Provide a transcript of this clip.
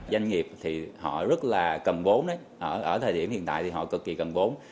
doanh nghiệp thì họ rất là cầm vốn ở thời điểm hiện tại thì họ cực kỳ cầm vốn